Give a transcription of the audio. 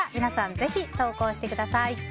ぜひ投稿してください。